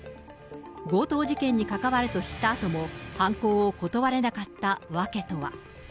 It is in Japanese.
強盗事件に関わると知ったあとも、犯行を断れなかった訳とは。